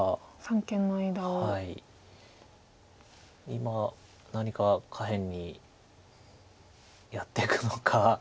今何か下辺にやっていくのか。